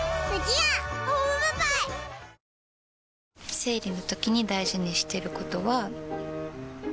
生理のときに大事にしてることは。